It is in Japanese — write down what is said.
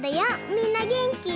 みんなげんき？